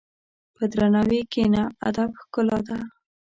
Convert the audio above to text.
په درناوي کښېنه، ادب ښکلا ده.